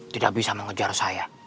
tidak bisa mengejar saya